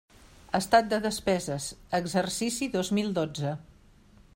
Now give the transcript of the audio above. Estat de despeses: exercici dos mil dotze.